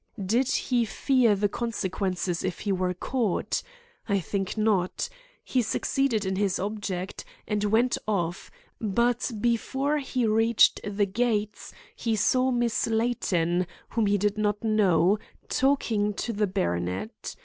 Did he fear the consequences if he were caught? I think not. He succeeded in his object, and went off, but before he reached the gates he saw Miss Layton, whom he did not know, talking to the baronet.